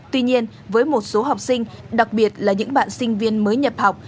tuy nhiên với một số học sinh đặc biệt là những bạn sinh viên mới nhập học